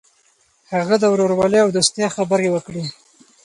هغه د ورورولۍ او دوستۍ خبرې وکړې.